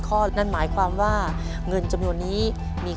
คือไม้ชนิดใด